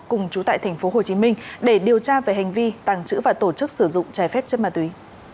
cùng chú tại tp hồ chí minh để điều tra về hành vi tàng trữ và tổ chức sử dụng trái phép chất ma túy